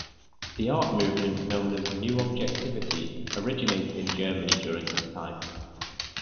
The art movement known as New Objectivity originated in Germany during this time.